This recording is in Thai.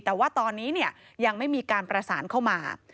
แต่ว่าตอนนี้ยังไม่มีการประสานเข้ามา